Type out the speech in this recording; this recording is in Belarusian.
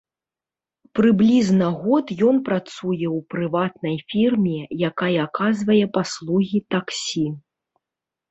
Прыблізна год ён працуе ў прыватнай фірме, якая аказвае паслугі таксі.